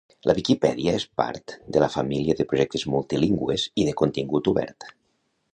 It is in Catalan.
La Viquipèdia és part de la família de projectes multilingües i de contingut obert